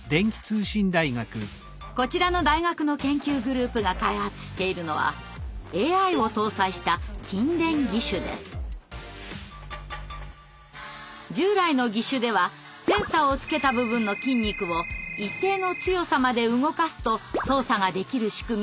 こちらの大学の研究グループが開発しているのは従来の義手ではセンサーをつけた部分の筋肉を一定の強さまで動かすと操作ができる仕組みでしたが。